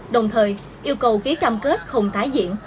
đồng thời yêu cầu ký cam kết không tái diễn